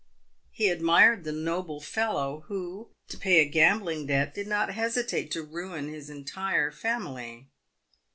He admired the noble fellow who, to pay a gambling debt, did not hesitate to ruin his entire family.